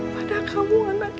pada kamu anakku